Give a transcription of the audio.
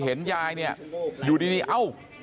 เห็นยายเนี่ยอยู่ดีเอ้า